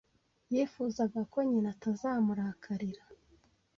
Yifuzaga ko nyina atazamurakarira.